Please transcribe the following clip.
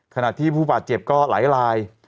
ขณะที่ผู้ป่าเจ็บก็หลาย